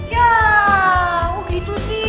ya kok gitu sih